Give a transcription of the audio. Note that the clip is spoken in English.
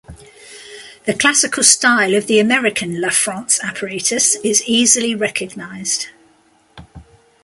The classical style of the American LaFrance apparatus is easily recognized.